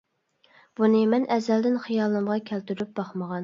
بۇنى مەن ئەزەلدىن خىيالىمغا كەلتۈرۈپ باقمىغان.